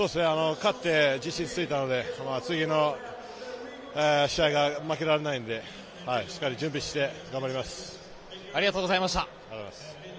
勝ったので次の試合が負けられないので、しっかり準備して頑張ります。